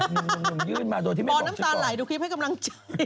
โป่น้ำตาไหลดูคลิปให้กำลังเจ๋ง